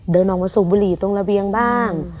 เดินออกมาสูบบุหรี่ตรงระเบียงบ้าง